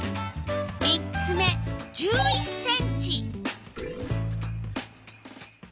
３つ目１１ｃｍ。